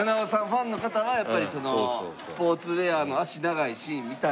ファンの方はやっぱりスポーツウェアの脚長いシーン見たい。